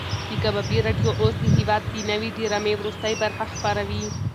د کبابي راډیو اوس د هېواد د نوې ډرامې وروستۍ برخه خپروي.